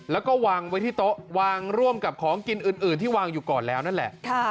แล้วก็วางไว้ที่โต๊ะวางร่วมกับของกินอื่นที่วางอยู่ก่อนแล้วนั่นแหละ